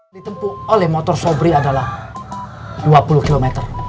ditempu oleh motor sobri adalah dua puluh km